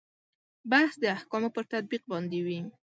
بحث د احکامو پر تطبیق باندې وي.